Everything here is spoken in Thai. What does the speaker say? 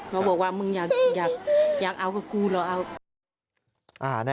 เขาบอกว่ามึงอยากเอากับกูหรอ